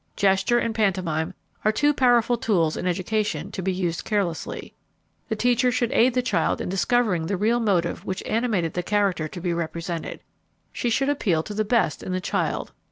Gesture and pantomime are too powerful tools in education to be used carelessly. The teacher should aid the child in discovering the real motive which animated the character to be represented. She should appeal to the best in the child.